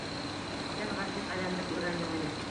Күптән ғашиҡ әҙәмде күргән юҡ ине.